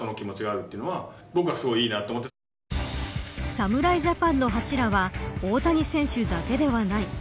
侍ジャパンの柱は大谷選手だけではない。